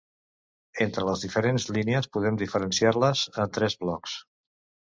Entre les diferents línies podem diferenciar-les en tres blocs: